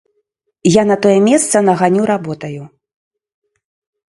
Я на тое месца наганю работаю.